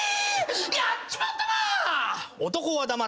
やっちまったなあ！